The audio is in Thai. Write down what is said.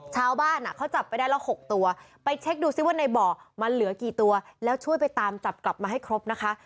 ชาวบ้านเขาจับไปได้แล้ว๖ตัวไปเช็คดูซิว่าในบ่อมันเหลือกี่ตัวแล้วช่วยไปตามจับกลับมาให้ครบนะคะ